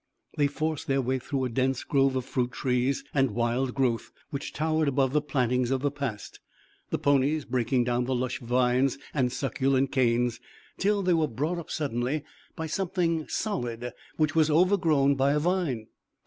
They forced their way through a dense grove of fruit trees and wild growth which towered above the plantings of the past, the ponies breaking down the lush vines and succulent canes, till they were brought up suddenly by something solid which was overgrown by a vine.